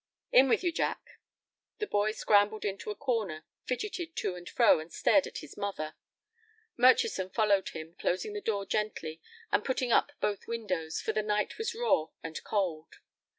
"In with you, Jack." The boy scrambled into a corner, fidgeted to and fro, and stared at his mother. Murchison followed him, closing the door gently, and putting up both windows, for the night was raw and cold.